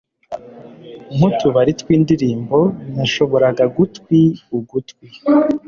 nk'utubari twindirimbo. nashoboraga gutwi ugutwi